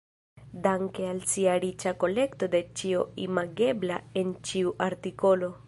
Danke al sia riĉa kolekto de ĉio imagebla en ĉiu artikolo.